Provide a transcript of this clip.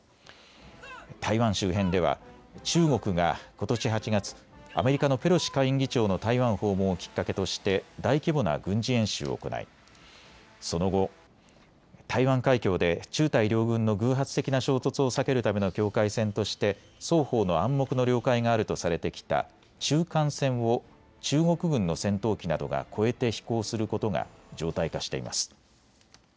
台湾周辺では中国がことし８月、アメリカのペロシ下院議長の台湾訪問をきっかけとして大規模な軍事演習を行いその後、台湾海峡で中台両軍の偶発的な衝突を避けるための境界線として双方の暗黙の了解があるとされてきた中間線を中国軍の戦闘機などが越えて飛行することが常態化しています。